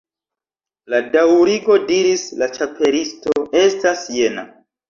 "La daŭrigo," diris la Ĉapelisto, "estas jena.